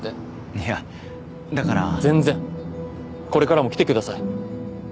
いやだから全然これからも来てください